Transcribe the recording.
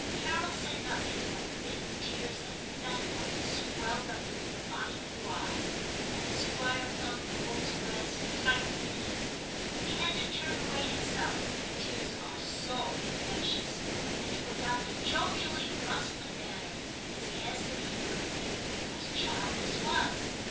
Carol said nothing, but big tears of thank fulness swelled up in his bonnie blue eyes, and the Squire felt the boy's grasp tighten in his. He had to turn away himself (tears are ! II TIM 23 SO infectious), and to adopt a jovially bustling manner, as he asked the keeper if he knew whose child this was.